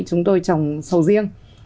chúng tôi trồng sầu riêng